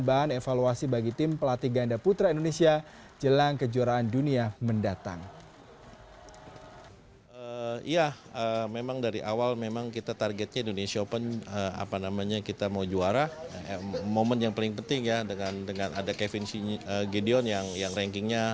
bahan evaluasi bagi tim pelatih ganda putra indonesia jelang kejuaraan dunia mendatang